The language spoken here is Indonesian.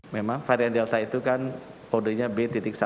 memang varian delta itu kan podenya b satu enam ratus tujuh belas dua